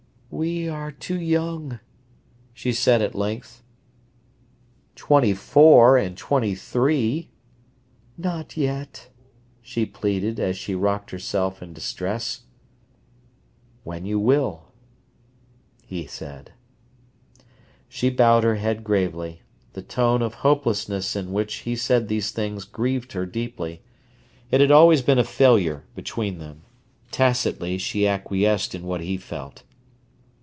"We are too young," she said at length. "Twenty four and twenty three—" "Not yet," she pleaded, as she rocked herself in distress. "When you will," he said. She bowed her head gravely. The tone of hopelessness in which he said these things grieved her deeply. It had always been a failure between them. Tacitly, she acquiesced in what he felt.